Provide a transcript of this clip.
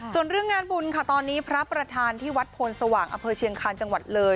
ส่วนเรื่องงานบุญค่ะตอนนี้พระประธานที่วัดพลสว่างอำเภอเชียงคาญจังหวัดเลย